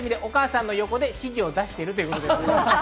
息子さんも今、夏休みでお母さんの横で指示を出しているということです。